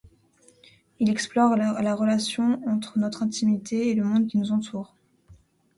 Il explore la relation entre notre intimité et le monde qui nous entoure.